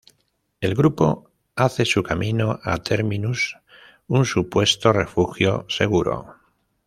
El grupo hace su camino a Terminus, un supuesto refugio seguro.